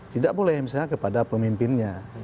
tidak boleh misalnya kepada pemimpinnya